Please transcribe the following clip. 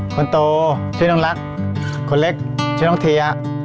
คนโตชื่อน้องรักคนเล็กชื่อน้องเทีย